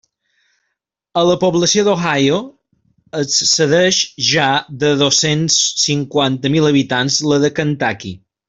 Avui la població d'Ohio excedeix ja de dos-cents cinquanta mil habitants la de Kentucky.